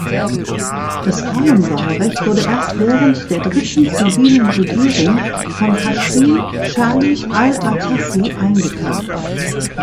Das Frauenwahlrecht wurde erst während der dritten zivilen Regierung von Haschim Chalid al-Atassi eingeführt.